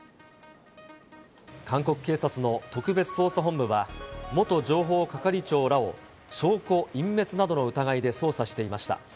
韓国警察の特別捜査本部は、元情報係長らを証拠隠滅などの疑いで捜査していました。